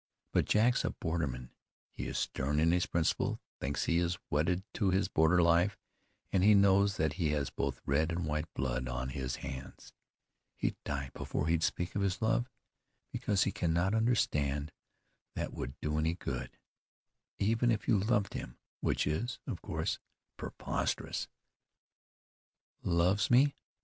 But Jack's a borderman; he is stern in his principles, thinks he is wedded to his border life, and he knows that he has both red and white blood on his hands. He'd die before he'd speak of his love, because he cannot understand that would do any good, even if you loved him, which is, of course, preposterous." "Loves me!"